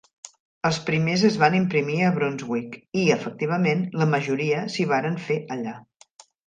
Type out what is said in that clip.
Els primers es van imprimir a Brunswick i, efectivament, la majoria s'hi varen fer allà.